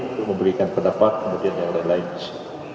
untuk memberikan pendapat kemudiannya oleh lain lain